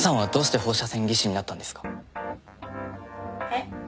えっ？